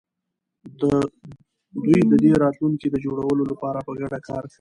دوی د دې راتلونکي د جوړولو لپاره په ګډه کار کوي.